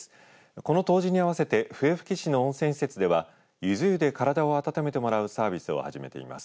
この冬至に合わせて笛吹市の温泉施設ではゆず湯で体を温めてもらうサービスを始めています。